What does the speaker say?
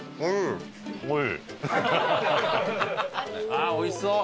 ああおいしそう。